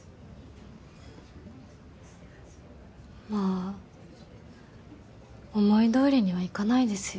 まあ思い通りにはいかないですよ。